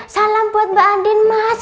salam buat mbak andin mas